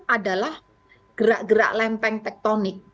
adalah gerak gerak lempeng tektonik